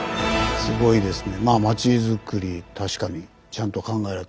すごいですね。